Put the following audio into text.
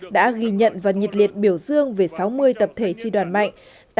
đã ghi nhận và nhiệt liệt biểu dương về sáu mươi tập thể tri đoàn mạnh